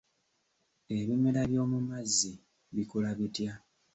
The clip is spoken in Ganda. Ebimera by'omu mazzi bikula bitya?